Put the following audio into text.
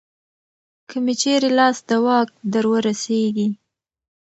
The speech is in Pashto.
که مې چېرې لاس د واک درورسېږي